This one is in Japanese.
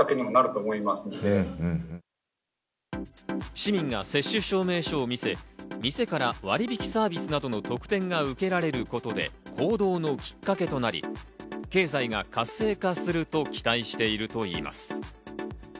市民が接種証明証を見せ、店から割引サービスなどの特典が受けられることで、行動のきっかけとなり、経済が活性化すると期待しているといいます。